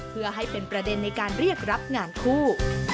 เพื่อให้เป็นประเด็นในการเรียกรับงานคู่